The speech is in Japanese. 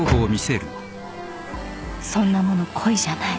［そんなもの恋じゃない］